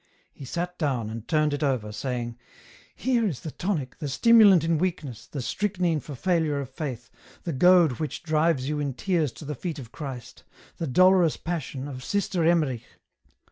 He sat down, and turned it over, saying, " Here is the tonic, the stimulant in weakness, the strychnine for failure EN ROUTE. 139 of Failh, the goad which drives you in tears to the feet of Christ, the ' Dolorous Passion ' of Sister Emmerich."